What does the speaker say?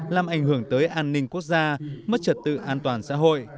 làm ảnh hưởng tới an ninh quốc gia mất trật tự an toàn xã hội